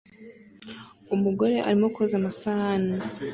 Umugore arimo koza amasahani